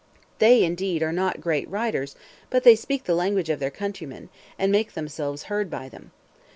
They indeed are not great writers, but they speak the language of their countrymen, and make themselves heard by them.